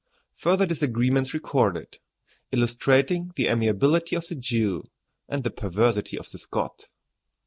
FURTHER DISAGREEMENTS RECORDED: ILLUSTRATING THE AMIABILITY OF THE JEW AND THE PERVERSITY OF THE SCOT.